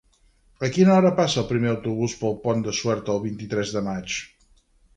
A quina hora passa el primer autobús per el Pont de Suert el vint-i-tres de maig?